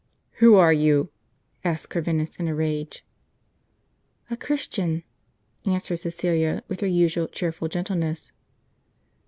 " Who are you ?" asked Corvinus, in a rage. "A Christian," answered Cfeciliaj with her usual cheerful gentleness.